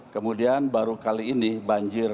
kemudian baru kali ini banjir